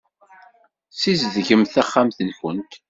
Ssizdgemt taxxamt-nkent.